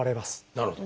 なるほど。